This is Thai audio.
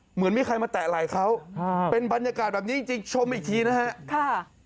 เหมือนมีใครมาแตะไหล่เขาเป็นบรรยากาศแบบนี้จริงชมอีกทีนะฮะ